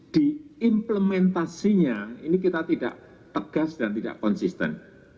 di implementasinya ini kita tidak tegas dan tidak konsisten